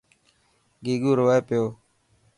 گيگو روئي پيو.